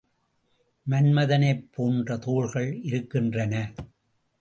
மன்மதனைப் போன்ற தோள்கள் இருக்கின்றன.